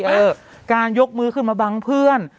เออการยกมือขึ้นมาบังเพื่อน